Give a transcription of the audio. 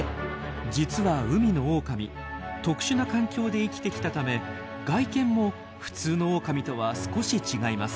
実は海のオオカミ特殊な環境で生きてきたため外見も普通のオオカミとは少し違います。